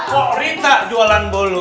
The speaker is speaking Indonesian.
kok rita jualan bulu